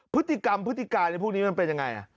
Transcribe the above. พฤติกรรมพฤติการพวกนี้มันเป็นยังไง